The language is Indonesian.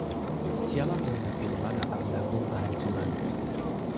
Siapa menghina firman akan menanggung kehancuran